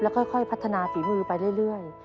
ค่อยพัฒนาฝีมือไปเรื่อย